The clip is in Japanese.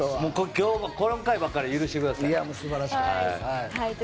今日もこの回ばかりは許してください。